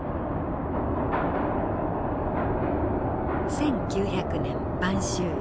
１９００年晩秋